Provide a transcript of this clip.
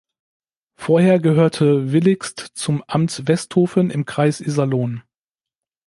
Vorher gehörte Villigst zum Amt Westhofen im Kreis Iserlohn.